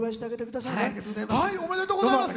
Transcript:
おめでとうございます。